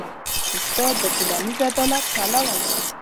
استاد د ټولنیز عدالت پلوی دی.